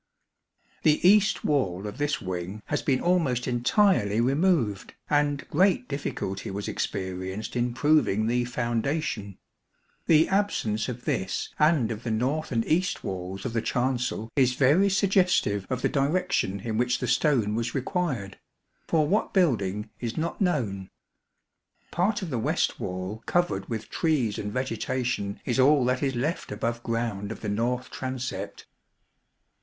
The east wall of this wing has been almost entirely removed, and great difficulty was experienced in proving the foundation. The absence of this and of the north and east 18 walls of the chancel is very suggestive of the direction in which the stone was required ; for what building is not known. Part of the west wall covered with trees and vegetation is all that is left above ground of the north transept.